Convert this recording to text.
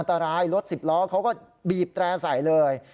ตายรถสิบล้อเขาก็บีบแตร่ใส่เลย